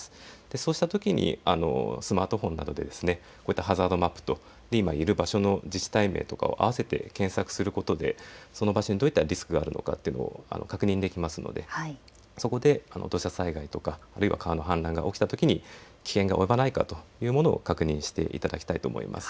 そうしたときにスマートフォンなどでこういったハザードマップと今いる場所の自治体名を合わせて検索することでその場所にどういったリスクがあるのかということを確認できるのでそこで土砂災害とかあるいは川の氾濫が起きたときに危険が及ばないかというものを確認していただきたいと思います。